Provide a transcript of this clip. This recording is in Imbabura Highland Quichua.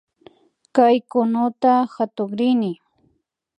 Kay kunuta katukrini